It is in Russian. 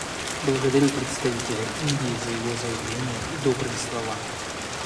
Благодарю представителя Индии за его заявление и добрые слова.